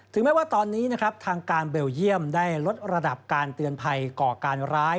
แม้ว่าตอนนี้นะครับทางการเบลเยี่ยมได้ลดระดับการเตือนภัยก่อการร้าย